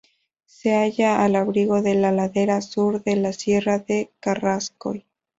Se halla al abrigo de la ladera sur de la Sierra de Carrascoy.